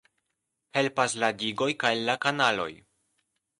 Helpas la digoj kaj la kanaloj.